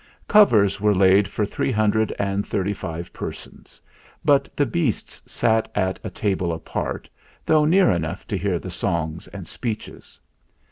Covers were laid for three hundred and thirty five persons ; but the beasts sat at a table apart, though near enough to hear the songs and speeches.